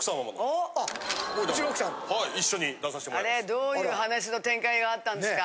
どういう話の展開があったんですか？